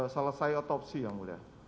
selesai otopsi yang mulia